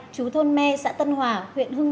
chú thôn me xã tân hòa huyện hưng